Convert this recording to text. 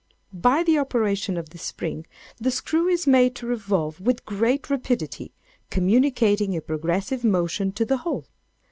By the operation of this spring, the screw is made to revolve with great rapidity, communicating a progressive motion to the whole.